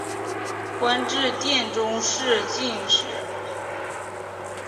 官至殿中侍御史。